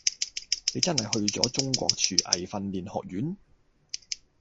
你真係去咗中國廚藝訓練學院？